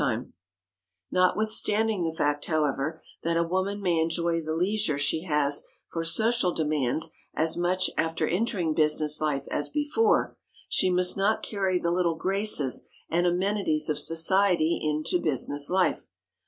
[Sidenote: BUSINESS IS BUSINESS] Notwithstanding the fact, however, that a woman may enjoy the leisure she has for social demands as much after entering business life as before, she must not carry the little graces and amenities of society into business life.